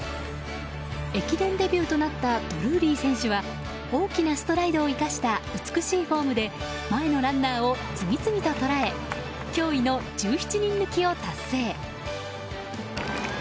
駅伝デビューとなったドルーリー選手は大きなストライドを生かした美しいフォームで前のランナーを次々と捉え驚異の１７人抜きを達成。